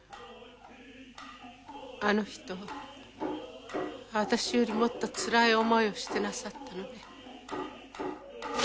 あの人私よりもっとつらい思いをしてなさったのね。